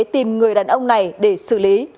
tìm người đàn ông này để xử lý